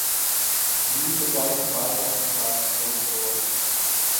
Nu is het tijd voor wijsheid in plaats van grote woorden.